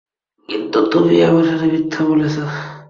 কিন্তু, তুমি আমার সাথে মিথ্যা বলছ!